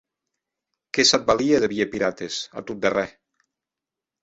Que s'ac valie de vier pirates, a tot darrèr.